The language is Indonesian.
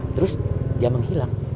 terus dia menghilang